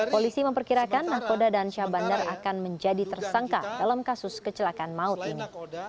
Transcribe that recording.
polisi memperkirakan nahkoda dan syah bandar akan menjadi tersangka dalam kasus kecelakaan maut ini